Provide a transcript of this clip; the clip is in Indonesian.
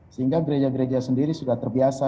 sehingga gereja gereja sendiri sudah terbiasa